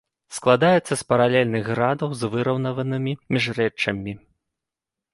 Складаецца з паралельных градаў з выраўнаванымі міжрэччамі.